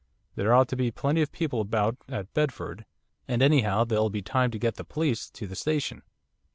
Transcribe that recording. There ought to be plenty of people about at Bedford, and anyhow there'll be time to get the police to the station.